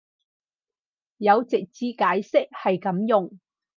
有直接解釋係噉用